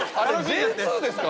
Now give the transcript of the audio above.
Ｊ２ですか？